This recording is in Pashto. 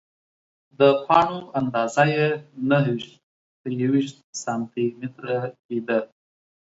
د پاڼو اندازه یې نهه ویشت په یوویشت سانتي متره کې ده.